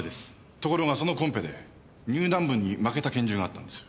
ところがそのコンペでニューナンブに負けた拳銃があったんですよ。